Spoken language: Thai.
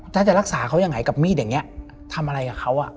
ถ้าจะรักษาเขายังไงกับมีดอย่างนี้ทำอะไรกับเขา